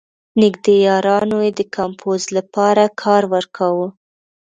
نېږدې یارانو یې د کمپوز لپاره کار ورکاوه.